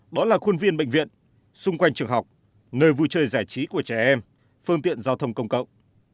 đó là khuôn viên bệnh viện xung quanh trường học nơi vui chơi giải trí của trẻ em phương tiện giao thông công cộng